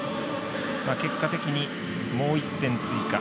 結果的に、もう１点追加。